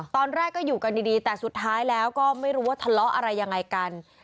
ตอนแรกก็อยู่กันดีแต่สุดท้ายแล้วก็ไม่รู้ว่าทะเลาะอะไรยังไงกัน